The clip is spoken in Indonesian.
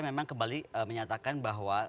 memang kembali menyatakan bahwa